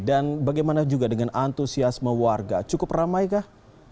dan bagaimana juga dengan antusiasme warga cukup ramai kah